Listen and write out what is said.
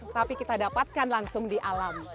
tapi kita dapatkan langsung di alam